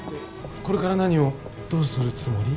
これから何をどうするつもり？